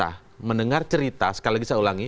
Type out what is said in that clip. fahri hamzah mendengar cerita sekali lagi saya ulangi